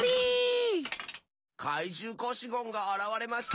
かいじゅうコシゴンがあらわれました。